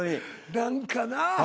何かな。